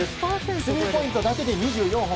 スリーポイントだけで２４本。